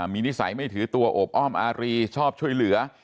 มีนิสัยไม่ถือตัวโอบอ้อมอารีชอบช่วยเหลือ